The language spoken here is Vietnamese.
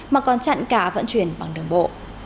mà còn chặn cả vận chuyển bằng đường bộ